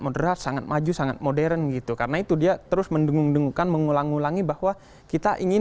moderat sangat maju sangat modern gitu karena itu dia terus mendengung dengungkan mengulang ulangi bahwa kita ingin